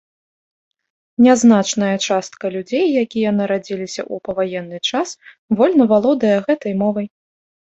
Нязначная частка людзей, якія нарадзіліся ў паваенны час, вольна валодае гэтай мовай.